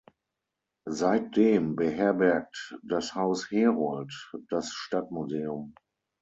Seitdem beherbergt das Haus Herold das Stadtmuseum.